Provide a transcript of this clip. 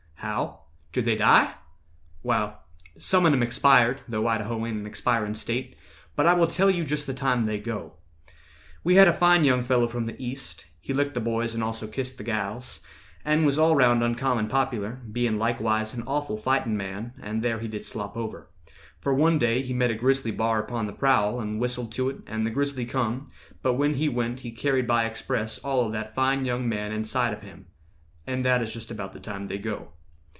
"How!—do they die?" "Wall, some on 'em expired, Though Idaho ain't an expirin' State; But I will tell you just the time they go. "We had a fine young fellow from the East; He licked the boys, and also kissed the gals, And was all round uncommon popular, Bein' likewise an awful fightin' man, And there he did slop over. For one day He met a grizzly bar upon the prowl, And whistled to it, and the grizzly come; But when he went he carried by express All of that fine young man inside of him; And that is just about the time they go.